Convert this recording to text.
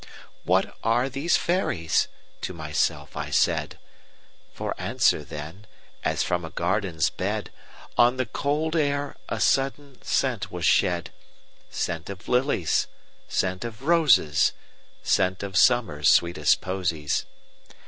"What are these fairies?" to myself I said; For answer, then, as from a garden's bed, On the cold air a sudden scent was shed,—Scent of lilies, scent of roses, Scent of Summer's sweetest posies.